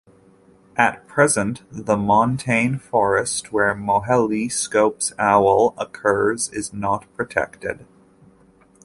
At present, the montane forest where the Moheli scops owl occurs is not protected.